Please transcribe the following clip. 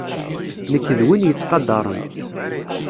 Nekk d win yettqadaren.